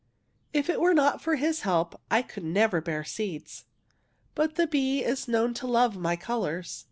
^* If it were not for his help I could never bear seeds. But the bee is known to love my colours.